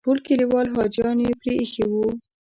ټول کلیوال حاجیان یې پرې ایښي وو.